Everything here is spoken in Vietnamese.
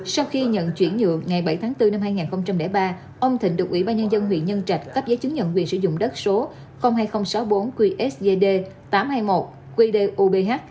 sau khi nhận chuyển nhượng ngày bảy tháng bốn năm hai nghìn ba ông thịnh được ủy ban nhân dân huyện nhân trạch cấp giấy chứng nhận quyền sử dụng đất số hai nghìn sáu mươi bốn qsd tám trăm hai mươi một qdubh